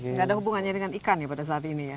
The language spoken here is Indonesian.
nggak ada hubungannya dengan ikan ya pada saat ini ya